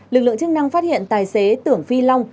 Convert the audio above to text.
lực lượng chức năng phát hiện tài xế tưởng phi long